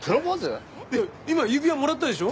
いや今指輪もらったでしょ？